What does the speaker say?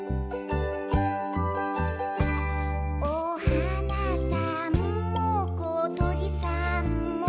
「おはなさんもことりさんも」